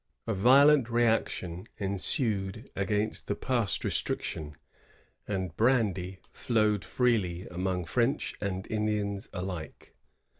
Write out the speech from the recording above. A violent reaction ensued against the past restriction, and brandy flowed freely among French and Indians alike.